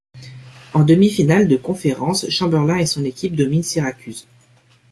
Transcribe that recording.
En demi-finale de conférence, Chamberlain et son équipe dominent Syracuse.